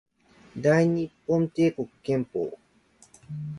大日本帝国憲法